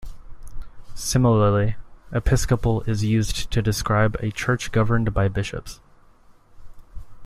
Similarly, "episcopal" is used to describe a church governed by bishops.